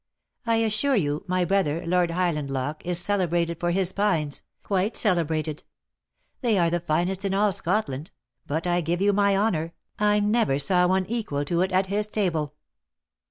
I assure you, my brother, Lord Highland loch, is celebrated for his pines — quite celebrated. They are the finest in all Scotland, but I give you my honour, I never saw one equal to it at his table."